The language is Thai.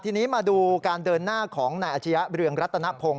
ทีนี้มาดูการเดินหน้าของนายอาชียะเรืองรัตนพงศ